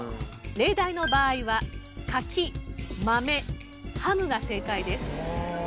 例題の場合は柿マメハムが正解です。